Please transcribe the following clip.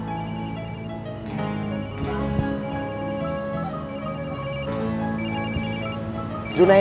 gara gara ketemu sahab lagi